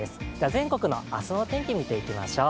全国の明日の天気、見ていきましょう。